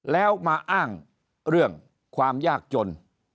แล้วมาอ้างเรื่องความยากจน